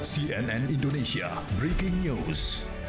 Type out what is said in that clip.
cnn indonesia breaking news